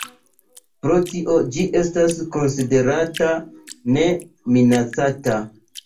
Pro tio ĝi estas konsiderata Ne Minacata.